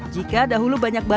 jika dahulu banyak bawang